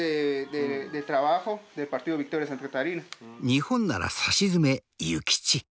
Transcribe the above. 日本ならさしずめ「ユキチ」。